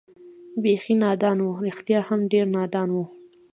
بېخي نادان و، رښتیا هم ډېر نادان و.